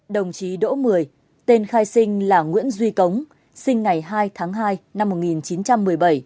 đồng chí đỗ mười tên khai sinh là nguyễn duy cống sinh ngày hai tháng hai năm một nghìn chín trăm một mươi bảy